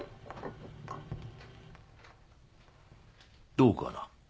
どうかな？